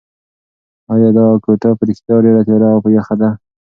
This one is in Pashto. ایا دا کوټه په رښتیا ډېره تیاره او یخه ده؟